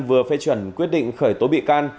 vừa phê chuẩn quyết định khởi tố bị can